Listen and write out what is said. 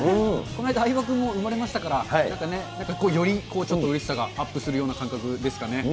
この間、相葉君も産まれましたから、なんかね、よりちょっとうれしさがアップするような感覚です